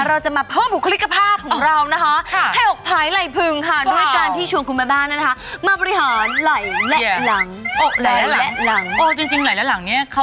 เราจะมาเพิ่มบุคลิกภาพของเรานะคะ